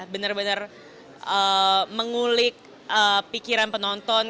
benar benar mengulik pikiran penonton